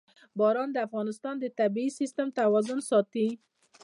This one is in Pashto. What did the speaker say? باران د افغانستان د طبعي سیسټم توازن ساتي.